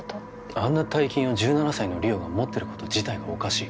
あんな大金を１７歳の莉桜が持ってること自体がおかしい